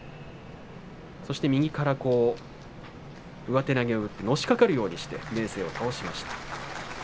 そして右から上手投げを打って、のしかかるようにして明生を倒しました。